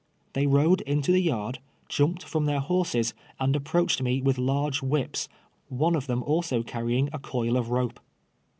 They rode into the yard, jumped from their horses, and approached me with large whips, one of them also carrying a coil of rope.